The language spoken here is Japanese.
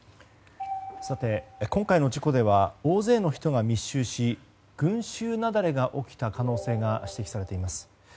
今回の事故では大勢の人が密集し群衆雪崩が起きた可能性が指摘されています。